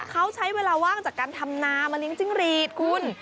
เขาใช้เวลาว่างจากการทำนามาเลี้ยจิ้งหรีดคุณ